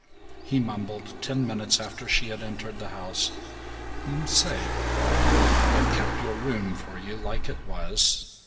He mumbled, ten minutes after she had entered the house, "Say, I've kept your room for you like it was.